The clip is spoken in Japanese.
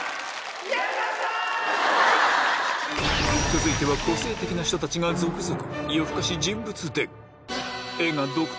続いては個性的な人たちが続々！